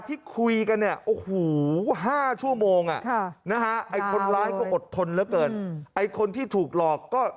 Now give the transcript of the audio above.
ที่คุยกันเนี่ยโอ้โห๕ชั่วโมงไอ้คนร้ายก็อดทนเหลือเกินไอ้คนที่ถูกหลอกก็